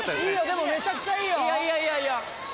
でもめちゃくちゃいいよ！